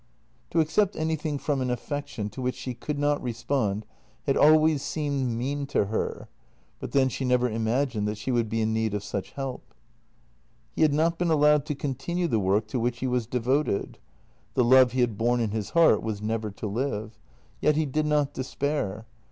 To accept anything from an affection to which she could not respond had always seemed mean to her, but then she never im agined that she would be in need of such help. He had not been allowed to continue the work to which he was devoted; the love he had borne in his heart was never to live. Yet he did not despair.